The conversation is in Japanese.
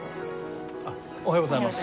おはようございます。